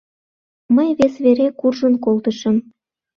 Мый вес вере куржын колтышым.